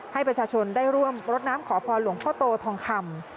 ให้ประชาชนได้ร่วมรดน้ำขอพรหลวงพ่อโตทองคำ